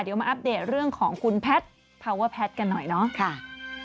เดี๋ยวมาอัปเดตเรื่องของคุณแพทย์ภาวะแพทย์กันหน่อยเนาะ